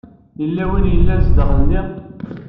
Yella win i yellan zdaxel-nni.